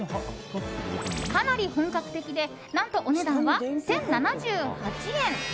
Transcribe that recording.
かなり本格的で何と、お値段は１０７８円。